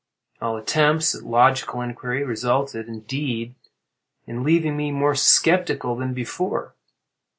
All attempts at logical inquiry resulted, indeed, in leaving me more sceptical than before.